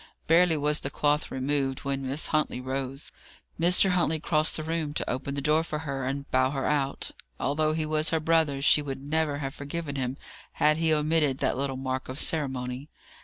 Barely was the cloth removed, when Miss Huntley rose. Mr. Huntley crossed the room to open the door for her, and bow her out. Although he was her brother, she would never have forgiven him, had he omitted that little mark of ceremony.